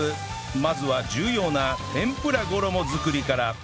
まずは重要な天ぷら衣作りから